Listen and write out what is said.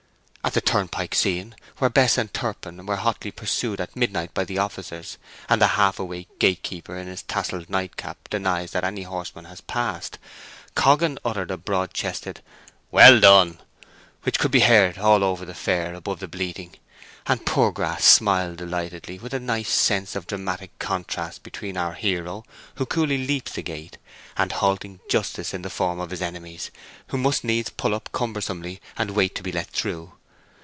At the turnpike scene, where Bess and Turpin are hotly pursued at midnight by the officers, and the half awake gatekeeper in his tasselled nightcap denies that any horseman has passed, Coggan uttered a broad chested "Well done!" which could be heard all over the fair above the bleating, and Poorgrass smiled delightedly with a nice sense of dramatic contrast between our hero, who coolly leaps the gate, and halting justice in the form of his enemies, who must needs pull up cumbersomely and wait to be let through.